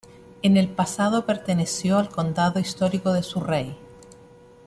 En el pasado perteneció al condado histórico de Surrey.